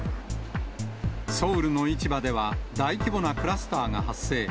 ソウルの市場では、大規模なクラスターが発生。